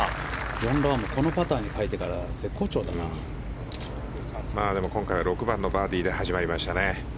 ジョン・ラームはこのパターに変えてから今回は６番のバーディーで始まりましたね。